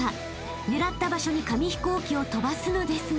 ［狙った場所に紙飛行機を飛ばすのですが］